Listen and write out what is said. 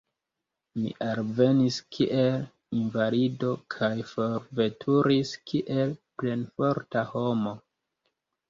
Mi alvenis kiel invalido kaj forveturis kiel plenforta homo.